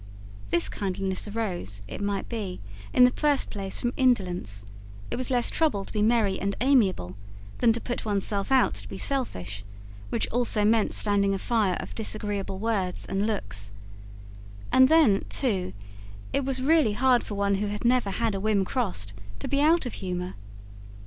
This kindliness arose, it might be, in the first place from indolence: it was less trouble to be merry and amiable than to put oneself out to be selfish, which also meant standing a fire of disagreeable words and looks; and then, too, it was really hard for one who had never had a whim crossed to be out of humour.